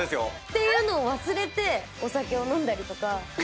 ていうのを忘れてお酒を飲んだりとか。